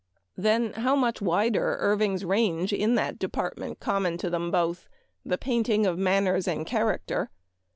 Then how much wider Irving's range in that department common to both, the painting of manners and character